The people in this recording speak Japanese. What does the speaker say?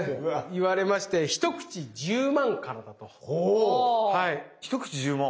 言われまして「１口１０万からだ」と。１口１０万。